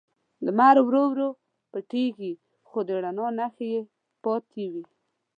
لمر ورو ورو پټیږي، خو د رڼا نښې یې پاتې وي.